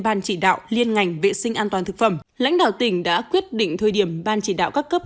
ban chỉ đạo liên ngành vệ sinh an toàn thực phẩm lãnh đạo tỉnh đã quyết định thời điểm ban chỉ đạo các cấp